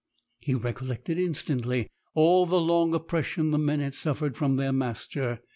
He recollected instantly all the long oppression the men had suffered from their master.